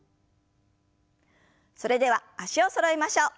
それでは脚をそろえましょう。